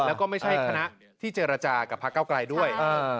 แล้วก็ไม่ใช่คณะที่เจรจากับพระเก้าไกลด้วย